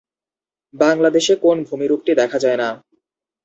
বাংলাদেশে কোন ভূমিরূপটি দেখা যায় না?